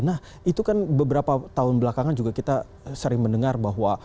nah itu kan beberapa tahun belakangan juga kita sering mendengar bahwa